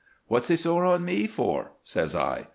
"'What's he sore on me for?' says I.